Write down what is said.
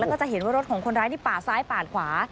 แล้วก็จะเห็นว่ารถของคนร้ายนี่ปาดซ้ายปาดขวา